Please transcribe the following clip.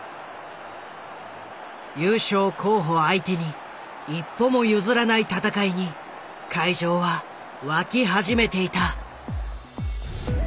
優勝候補相手に一歩も譲らない戦いに会場は沸き始めていた。